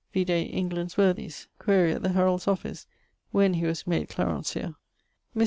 vide England's Worthies: quaere at the Heralds' Office when he was made Clarencieux. Mr.